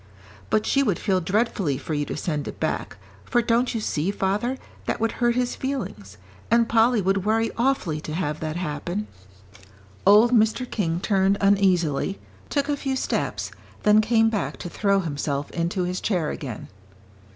"But she would feel dreadfully for you to send it back, for don't you see, father, that would hurt his feelings? And Polly would worry awfully to have that happen." Old Mr. King turned uneasily, took a few steps, then came back to throw himself into his chair again.